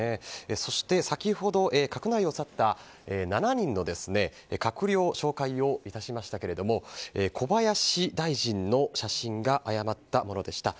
そして先ほど閣内を去った７人の閣僚紹介をいたしましたが小林大臣の写真が誤ったものでした。